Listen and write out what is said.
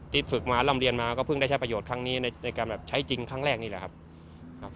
ฝึกมาร่ำเรียนมาก็เพิ่งได้ใช้ประโยชน์ครั้งนี้ในการแบบใช้จริงครั้งแรกนี่แหละครับ